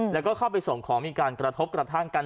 แล้วก็เข้าไปส่งของมีการกระทบกระทั่งกัน